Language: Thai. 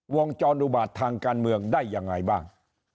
วงจรอุบาตทางการเมืองได้ยังไงบ้าง